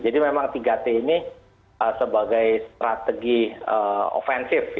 jadi memang tiga t ini sebagai strategi ofensif